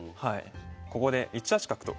ここで１八角と。